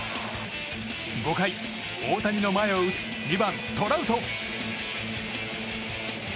５回、大谷の前を打つ２番、トラウト。